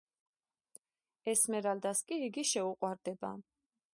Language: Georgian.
ესმერალდას კი იგი შეუყვარდება.